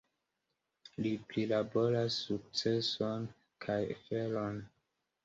Li prilaboras sukcenon kaj feron.